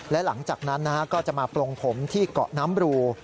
และหลังจากนั้นก็จะมาปลงผมที่เกาะน้ำบรู